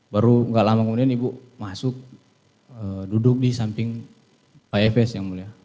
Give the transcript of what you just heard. baru nggak lama kemudian ibu masuk duduk di samping pak efes yang mulia